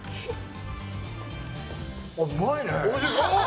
うまいね！